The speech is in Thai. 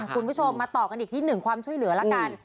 คุณผู้ชมมาต่อกันอีกที่หนึ่งความช่วยเหลือละกัน